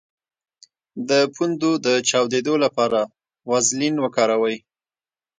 د پوندو د چاودیدو لپاره ویزلین وکاروئ